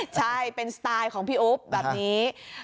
ใช่เป็นสไตล์ของพี่อุ๊บแบบนี้